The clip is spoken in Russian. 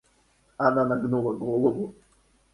Она нагнула голову.